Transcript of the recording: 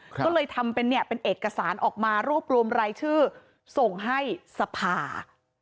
ก็เลยทำเป็นเอกสารออกมารูปรวมรายชื่อส่งให้สภาคฯ